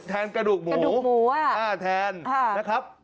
กระดูกหมูแทนนะครับ